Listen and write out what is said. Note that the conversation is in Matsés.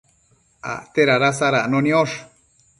acte dada sadacno niosh